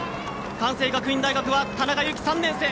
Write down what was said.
関西学院大学は田中優樹、３年生。